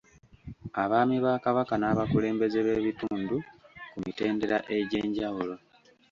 Abaami ba Kabaka n’abakulembeze b’ebitundu ku mitendera egy’enjawulo.